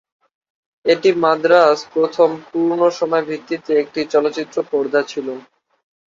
এটি মাদ্রাজ প্রথম পূর্ণসময় ভিত্তিতে একটি চলচ্চিত্র পর্দা ছিল।